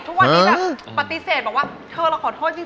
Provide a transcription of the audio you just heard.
ทุกวันนี้แบบปฏิเสธบอกว่าเธอเราขอโทษจริง